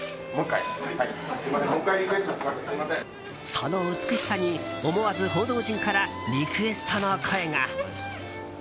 その美しさに思わず報道陣からリクエストの声が。